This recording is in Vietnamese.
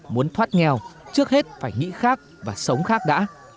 muốn thoát nghèo trước hết phải nghĩ khác và sống khác đã